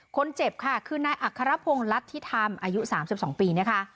คนเจ็บค่ะคือนายอัครพงศ์รัฐธิธรรมอายุ๓๒ปีนะคะ